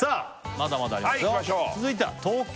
まだまだありますよ